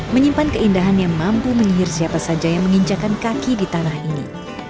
menyimpan keindahan yang mampu menyihir siapa saja yang menginjakan kaki di tanah ini